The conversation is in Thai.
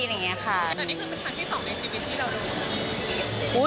แต่ตอนนี้คือเป็นครั้งที่สองในชีวิตที่เรารู้สึก